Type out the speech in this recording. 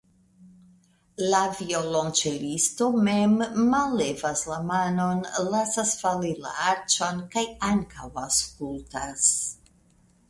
La violonĉelisto mem mallevas la manon, lasas fali la arĉon kaj ankaŭ aŭskultas.